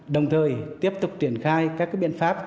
đồng thời tiếp tục triển khai các biện pháp